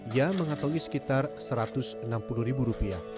ia mengantongi sekitar rp satu ratus enam puluh